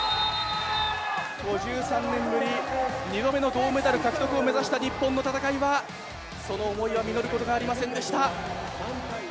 ５３年ぶり２度目の銅メダル獲得を目指した日本の戦いはその思いは実ることがありませんでした。